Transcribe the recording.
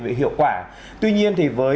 về hiệu quả tuy nhiên thì với